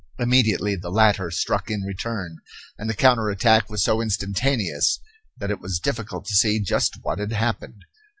Immediately the latter struck in return, and the counter attack was so instantaneous that it was difficult to see just what had happened.